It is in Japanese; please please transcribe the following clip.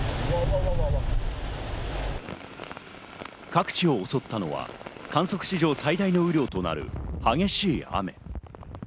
各地を襲ったのは観測史上最大の雨量となる激しい雨。